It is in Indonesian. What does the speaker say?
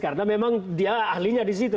karena memang dia ahlinya di situ